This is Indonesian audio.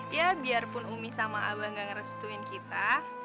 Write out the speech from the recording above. ya biarpun umi sama abah gak ngerestuin kita